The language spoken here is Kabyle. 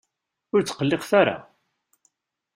Ur tqelliqet ara!